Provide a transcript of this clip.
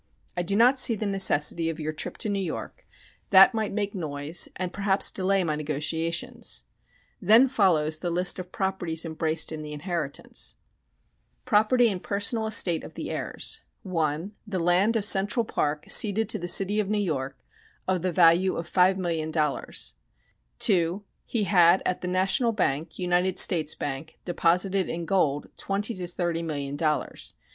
I do not see the necessity of your trip to New York; that might make noise and perhaps delay my negotiations." Then follows the list of properties embraced in the inheritance: PROPERTY AND PERSONAL ESTATE OF THE HEIRS 1 The land of Central Park ceded to the city of New York, of the value of $5,000,000.00 2 He had at the National Bank United States Bank deposited in gold twenty to thirty million dollars.